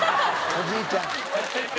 「おじいちゃん」